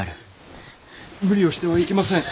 無理をしてはいけません。